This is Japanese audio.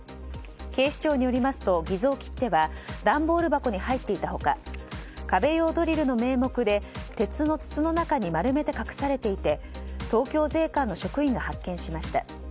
警視庁によりますと偽造切手は段ボール箱に入っていた他壁用ドリルの名目で鉄の筒の中に丸めて隠されていて東京税関の職員が発見しました。